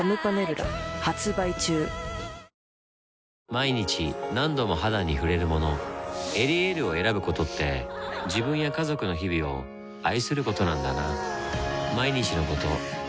毎日何度も肌に触れるもの「エリエール」を選ぶことって自分や家族の日々を愛することなんだなぁ